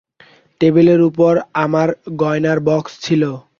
টেবিলের উপর আমার গয়নার বাক্স ছিল।